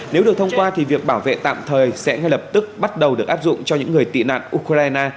nếu được thông qua thì việc bảo vệ tạm thời sẽ ngay lập tức bắt đầu được áp dụng cho những người tị nạn ukraine